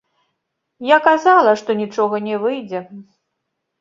Я казала, што нічога не выйдзе.